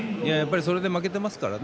それで負けていますからね。